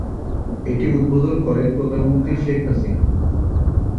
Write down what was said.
এটি উদ্বোধন করেন প্রধানমন্ত্রী শেখ হাসিনা।